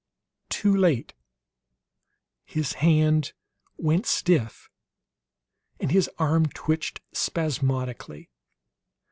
Too late; his hand went stiff, and his arm twitched spasmodically.